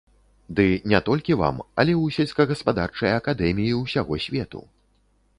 Ды не толькі вам, але ў сельскагаспадарчыя акадэміі ўсяго свету.